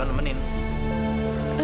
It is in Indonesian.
kenapa kaput tuh